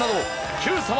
『Ｑさま！！』！